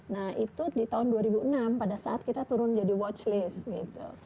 nah itu di tahun dua ribu enam pada saat kita turun jadi watch list gitu